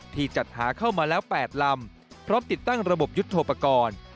จัดหาเข้ามาแล้ว๘ลำพร้อมติดตั้งระบบยุทธโปรกรณ์